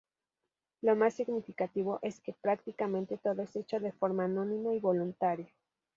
Lo más significativo, es que prácticamente todo es hecho de forma anónima y voluntaria.